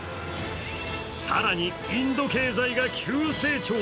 更にインド経済が急成長。